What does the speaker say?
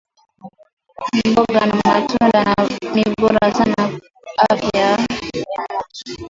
Mboga na matunda ni bora sana ku afya ya mutu